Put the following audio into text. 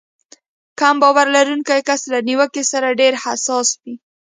کم باور لرونکی کس له نيوکې سره ډېر حساس وي.